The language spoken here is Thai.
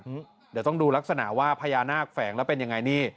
เดี๋ยวต้องดูลักษณะว่าพญานาคแฝงแล้วเป็นยังไงนี่